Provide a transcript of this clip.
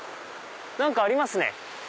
何かありますね。